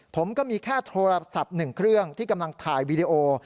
ผมก็มีแค่โทรศัพท์๑เครื่องที่กำลังถ่ายวีดีโอ